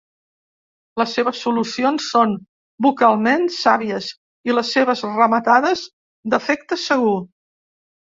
Les seves solucions són vocalment sàvies i les seves rematades, d'efecte segur.